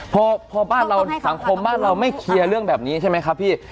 พอบ้านเราสังคมบ้านเราไม่เคลียร์เรื่องแบบนี้ใช่ไหมครับพี่